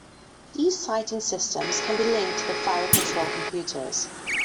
These sighting systems can be linked to the fire control computers.